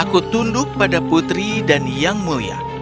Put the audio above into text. aku tunduk pada putri dan yang mulia